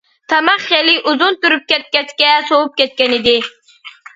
تاماق خېلى ئۇزۇن تۇرۇپ كەتكەچكە سوۋۇپ كەتكەنىدى.